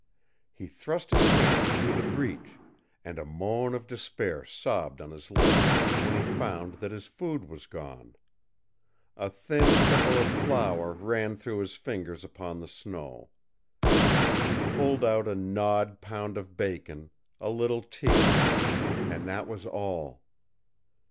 He thrust his hands through the breach, and a moan of despair sobbed on his lips when he found that his food was gone. A thin trickle of flour ran through his fingers upon the snow. He pulled out a gnawed pound of bacon, a little tea and that was all.